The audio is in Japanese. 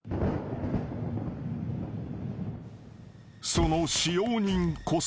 ［その使用人こそ］